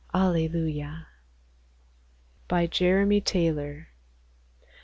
Allelujah ! Jeremy Taylor.